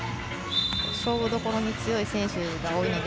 勝負どころに強い選手が多いので。